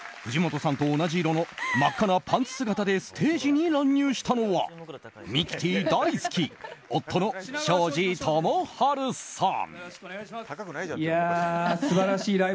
藤本さんと同じ色の真っ赤なパンツ姿でステージに乱入したのはミキティ大好き夫の庄司智春さん。